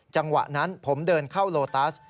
จังหวะนั้นผมเดินเข้าโลตัส